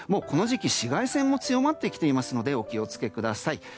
この時期、紫外線も強まってきていますのでお気を付けください。